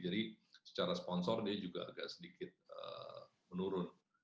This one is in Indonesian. jadi secara sponsor dia juga agak sedikit menurun